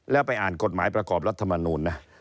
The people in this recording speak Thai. แล้วไปอ่านกฎหมายประกอบรัฐมนูลนะ